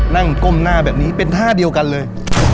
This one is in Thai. ก้มหน้าแบบนี้เป็นท่าเดียวกันเลย